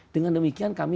dengan demikian kami